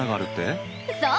そう！